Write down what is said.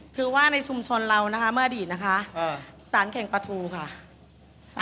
คือว่าในชุมชนเรานะคะเมื่อดีนะคะเออสารเข็งประทูค่ะใช่